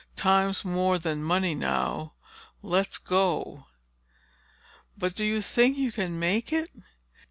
Time's more than money now—let's go." "But do you think you can make it?"